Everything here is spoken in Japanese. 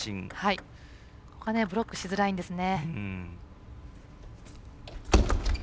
ここはブロックしづらいんですよね。